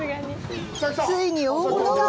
ついに大物が！